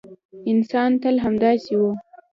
انسان تل همداسې و.